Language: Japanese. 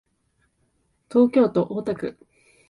東京都大田区